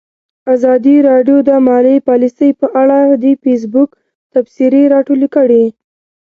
ازادي راډیو د مالي پالیسي په اړه د فیسبوک تبصرې راټولې کړي.